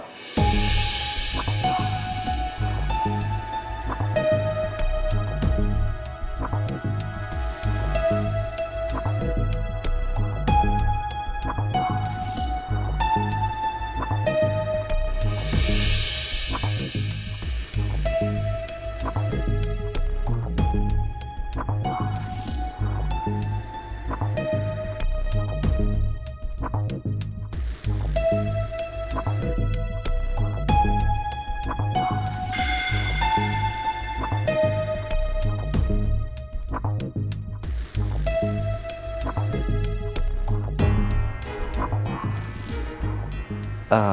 jangan lupa saya merasakannya